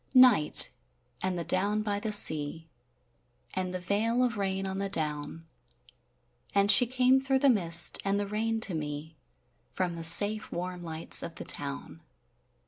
NIGHT, and the down by the sea, And the veil of rain on the down; And she came through the mist and the rain to me From the safe warm lights of the town.